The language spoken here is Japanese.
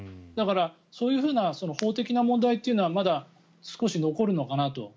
だから、そういうふうな法的な問題というのはまだ少し残るのかなと。